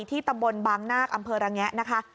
ตำบลบางนาคอำเภอระแงะนะคะ